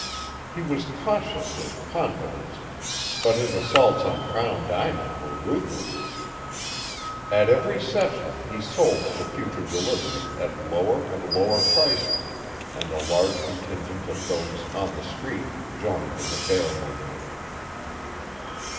He was cautious with Confidence, but his assaults on Crown Diamond were ruthless. At every session he sold for future delivery at lower and lower prices, and a large contingent of those "on the Street" joined in the bear movement.